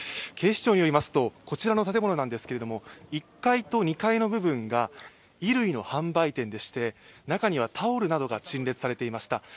警視庁によりますとこちらの建物なんですけれども１階と２階の部分が衣類の販売店でして中にはタオルなどが陳列されていました。